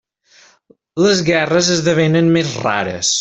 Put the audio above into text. Les guerres esdevenen més rares.